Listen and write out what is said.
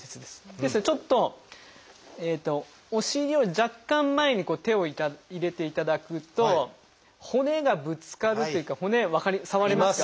ですのでちょっとお尻を若干前にこう手を入れていただくと骨がぶつかるっていうか骨触れますか？